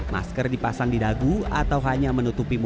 masker dipasang di dagu atau hanya menutupi